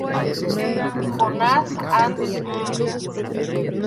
Jonas and Mr.